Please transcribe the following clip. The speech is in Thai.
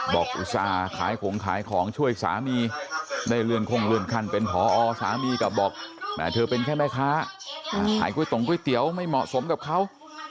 อุตส่าห์ขายของขายของช่วยสามีได้เลื่อนคงเลื่อนขั้นเป็นผอสามีก็บอกแหมเธอเป็นแค่แม่ค้าขายก๋วยตงก๋วยเตี๋ยวไม่เหมาะสมกับเขา